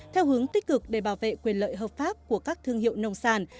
theo hướng tích cực để bảo vệ quyền lợi hợp pháp của các thương hiệu nông sản